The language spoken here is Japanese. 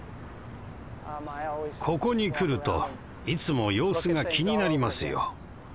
ここに来るといつも様子が気になりますよ。